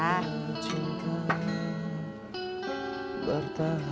aku juga bertahan